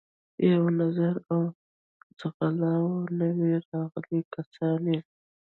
یو نظر و ځغلاوه، نوي راغلي کسان یې.